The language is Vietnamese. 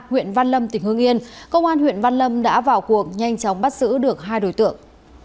huyện văn lâm tỉnh hương yên công an huyện văn lâm đã vào cuộc nhanh chóng bắt giữ được hai đối tượng